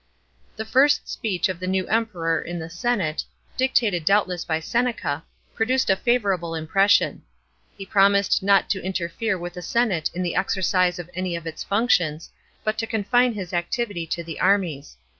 The first speech of the new Emperor in the senate, dictated doubtless by Seneca, produced a favourable impression. He promised not to interfere with the senate in the exercise of any of its functions, but to confine his activity to the armies.